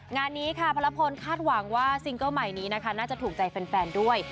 งานนี้ค่ะพระละพลคาดหวังว่าซิงเกิ้ลใหม่นี้นะคะน่าจะถูกใจแฟนด้วย